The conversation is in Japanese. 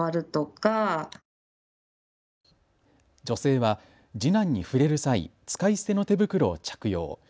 女性は次男に触れる際、使い捨ての手袋を着用。